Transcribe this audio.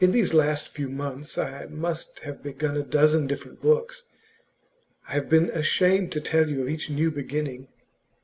In these last few months, I must have begun a dozen different books; I have been ashamed to tell you of each new beginning.